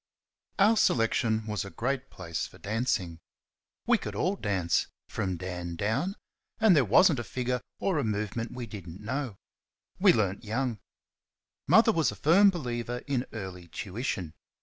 Our selection was a great place for dancing. We could all dance from Dan down and there was n't a figure or a movement we did n't know. We learned young. Mother was a firm believer in early tuition.